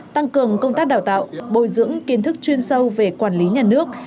tăng cường công tác đào tạo bồi dưỡng kiến thức chuyên sâu về quản lý nhà nước